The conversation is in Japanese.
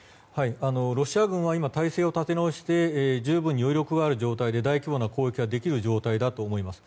ロシア軍は今、体勢を立て直して十分に余力がある状態で大規模な攻撃ができる状態だと思います。